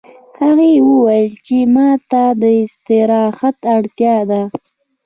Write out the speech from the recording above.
هغې وویل چې ما ته د استراحت اړتیا ده